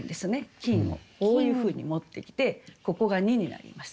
「金」をこういうふうに持ってきてここが２になります。